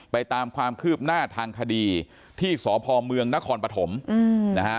ตามความคืบหน้าทางคดีที่สพเมืองนครปฐมนะฮะ